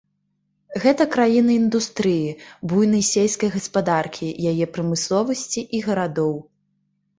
Гэта краіна індустрыі, буйнай сельскай гаспадаркі, яе прамысловасці і гарадоў.